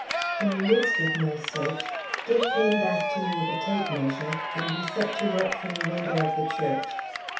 In the midst of my search Dick came back to me with a tape measure, and we set to work from the window of the church.